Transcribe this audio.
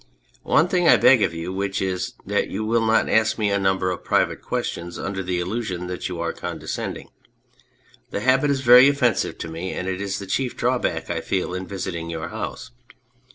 One thing I beg of you, which is that you will not ask me a number of private questions under the illusion that you are conde scending. The habit is very offensive to me, and it is the chief drawback I feel in visiting your house.